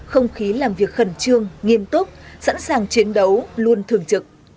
không khí làm việc khẩn trương nghiêm túc sẵn sàng chiến đấu luôn thường trực